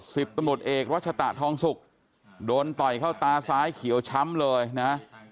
สิบตำรวจเอกรัชตะทองสุกโดนต่อยเข้าตาซ้ายเขียวช้ำเลยนะ